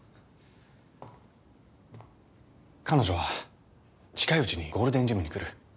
彼女は近いうちにゴールデンジムに来る。